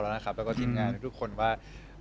แล้วก็ทิ้งงานให้ทุกคนว่า